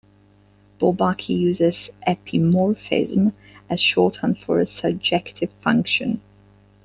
Bourbaki uses "epimorphism" as shorthand for a surjective function.